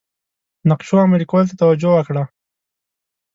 نقشو عملي کولو ته توجه وکړه.